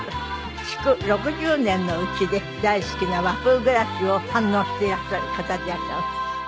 築６０年の家で大好きな和風暮らしを堪能していらっしゃる方でいらっしゃいます。